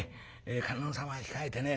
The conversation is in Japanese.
観音様控えてね